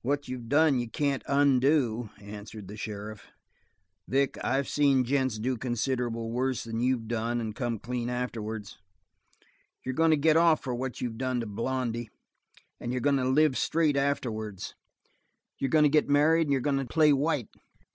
"What you've done you can't undo," answered the sheriff. "Vic, I've seen gents do considerable worse than you've done and come clean afterwards. You're goin' to get off for what you've done to Blondy, and you're goin' to live straight afterwards. You're goin' to get married and you're goin' to play white.